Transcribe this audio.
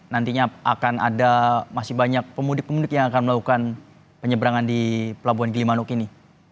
nantinya akan ada masih banyak pemudik pemudik yang akan melakukan penyeberangan di pelabuhan gilimanuk ini